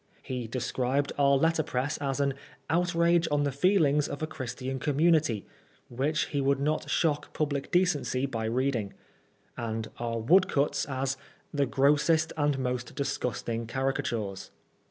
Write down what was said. He described our letterpress as an "outrage on the feelings of a Christian community," which he would not shock public decency by reading ; and our woodcuts as " the grossest and most disgusting caricatures."